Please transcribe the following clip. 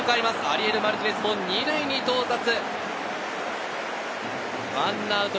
アリエル・マルティネスも２塁に到達。